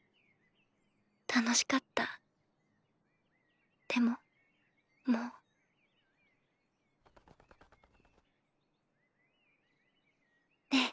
楽しかったでももう。ねぇ